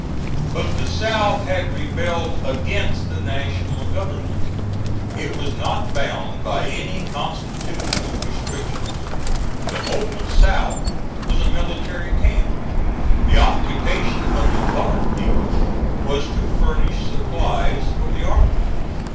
But the South had rebelled against the National government. It was not bound by any constitutional restrictions. The whole South was a military camp. The occupation of the colored people was to furnish supplies for the army.